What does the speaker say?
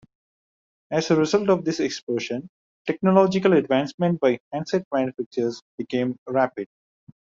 As a result of this explosion, technological advancement by handset manufacturers became rapid.